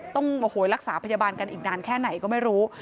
ต้องโอ้โหรักษาพยาบาลกันอีกนานแค่ไหนก็ไม่รู้